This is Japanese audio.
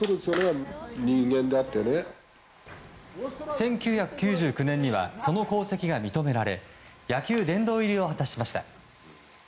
１９９９年にはその功績が認められ野球殿堂入りを果たしました。